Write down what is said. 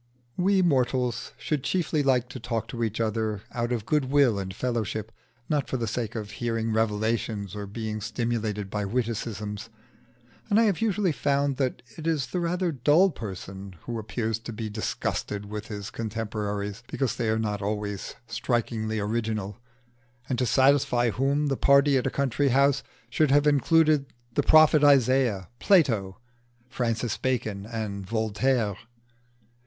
We mortals should chiefly like to talk to each other out of goodwill and fellowship, not for the sake of hearing revelations or being stimulated by witticisms; and I have usually found that it is the rather dull person who appears to be disgusted with his contemporaries because they are not always strikingly original, and to satisfy whom the party at a country house should have included the prophet Isaiah, Plato, Francis Bacon, and Voltaire.